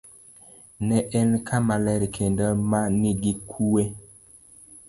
Ne en kama ler kendo ma nigi kuwe.